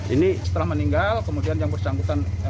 ini setelah meninggal kemudian yang bersangkutan